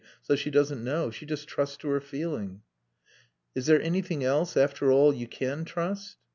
So she doesn't know. She just trusts to her feeling." "Is there anything else, after all, you can trust?"